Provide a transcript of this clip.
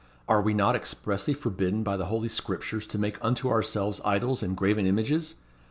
Are we not expressly forbidden by the Holy Scriptures to make unto ourselves idols and graven images?